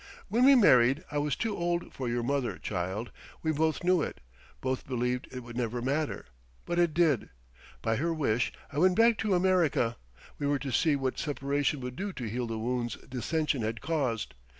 When we married, I was too old for your mother, child; we both knew it, both believed it would never matter. But it did. By her wish, I went back to America; we were to see what separation would do to heal the wounds dissension had caused.